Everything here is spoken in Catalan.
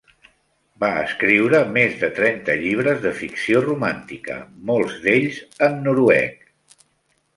Va escriure més de trenta llibres de ficció romàntica, molts d'ells en noruec.